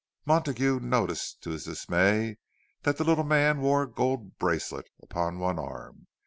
Montague noticed, to his dismay, that the little man wore a gold bracelet upon one arm!